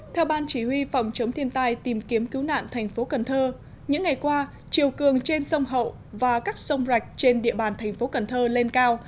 theo ban chỉ huy phòng chống thiên tai tìm kiếm cứu nạn thành phố cần thơ những ngày qua chiều cường trên sông hậu và các sông rạch trên địa bàn thành phố cần thơ lên cao